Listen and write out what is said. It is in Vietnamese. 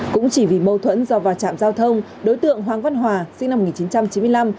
cũng chỉ vì mâu thuẫn do va chạm giao thông đối tượng hoàng văn hòa sinh năm một nghìn chín trăm chín mươi năm